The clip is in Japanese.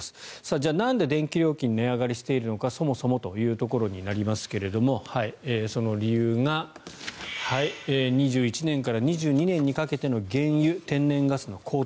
じゃあなんで電気料金値上がりしているのかそもそもというところになりますがその理由が２１年から２２年にかけての原油・天然ガスの高騰。